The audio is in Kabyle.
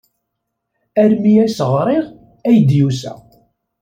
Armi ay as-ɣriɣ ay d-yusa.